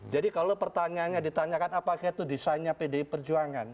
jadi kalau pertanyaannya ditanyakan apakah itu desainnya pdi perjuangan